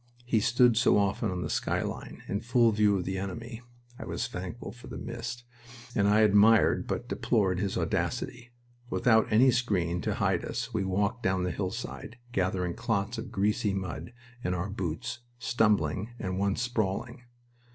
He stood so often on the sky line, in full view of the enemy (I was thankful for the mist), that I admired but deplored his audacity. Without any screen to hide us we walked down the hillside, gathering clots of greasy mud in our boots, stumbling, and once sprawling.